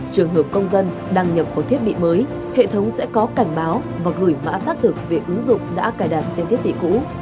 trường hợp công dân đăng nhập vào thiết bị mới hệ thống sẽ có cảnh báo và gửi mã xác thực về ứng dụng đã cài đặt trên thiết bị cũ